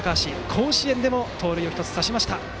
甲子園でも盗塁を１つ刺しました。